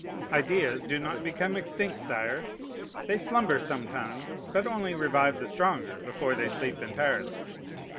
Ideas do not become extinct, sire; they slumber sometimes, but only revive the stronger before they sleep entirely.